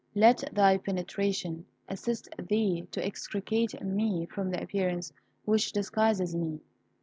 Let thy penetration assist thee to extricate me from the appearance which disguises me.